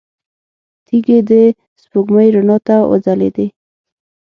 تيږې د سپوږمۍ رڼا ته وځلېدې.